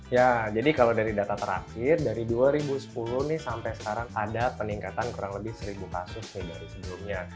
ya jadi kalau dari data terakhir dari dua ribu sepuluh nih sampai sekarang ada peningkatan kurang lebih seribu kasus dari sebelumnya